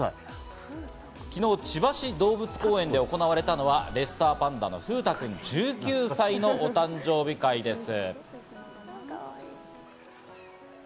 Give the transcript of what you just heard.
昨日、千葉市動物公園で行われたのはレッサーパンダの風太君、１９歳の誕生日会です。